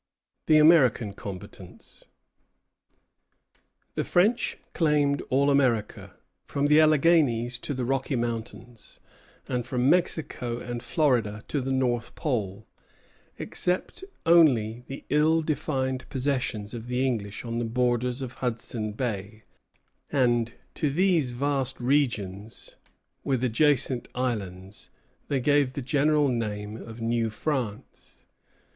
The American Combatants The French claimed all America, from the Alleghanies to the Rocky Mountains, and from Mexico and Florida to the North Pole, except only the ill defined possessions of the English on the borders of Hudson Bay; and to these vast regions, with adjacent islands, they gave the general name of New France.